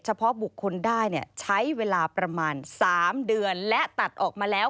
เฉพาะบุคคลได้ใช้เวลาประมาณ๓เดือนและตัดออกมาแล้ว